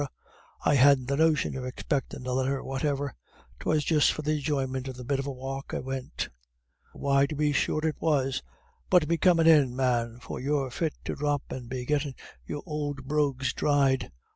I hadn't the notion of expectin' a letter whatever. 'Twas just for the enjoyment of the bit of a walk I went." "Why tub be sure it was. But be comin' in, man, for you're fit to dhrop, and be gettin' your ould brogues dhried.